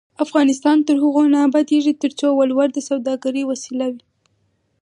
افغانستان تر هغو نه ابادیږي، ترڅو ولور د سوداګرۍ وسیله وي.